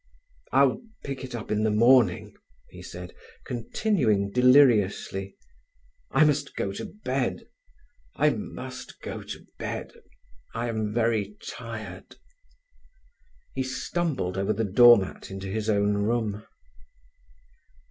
"I'll pick it up in the morning," he said, continuing deliriously: "I must go to bed—I must go to bed—I am very tired." He stumbled over the door mat into his own room.